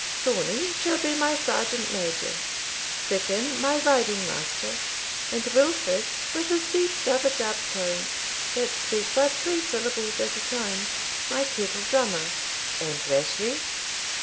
Thornie shall be my sergeant major, Dickon my riding master, and Wilfred, with his deep dub a dub tones, that speak but three syllables at a time, my kettle drummer." "And Rashleigh?"